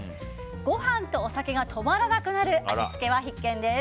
ご飯とお酒が止まらなくなる味付けは必見です。